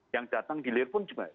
yang datang dilir pun juga